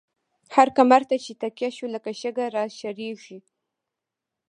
هر کمر ته چی تکيه شو، لکه شګه را شړيږی